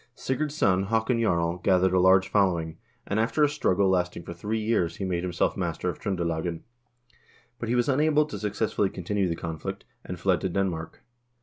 Sigurd's son, Haakon Jarl, gathered a large following, and after a struggle lasting for three years he made himself master of Tr0ndelagen. But he was unable to successfully continue the conflict, and fled to Den mark.